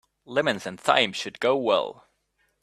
Lemons and thyme should go well.